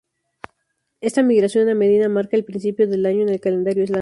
Esta migración a Medina marca el principio del año en el calendario islámico.